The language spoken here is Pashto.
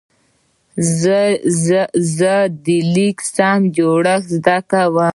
زه د لیک سم جوړښت زده کوم.